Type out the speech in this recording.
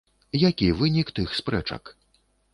Які вынік тых спрэчак?